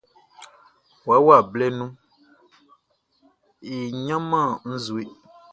Wawa blɛ nunʼn, e ɲanman nʼzue.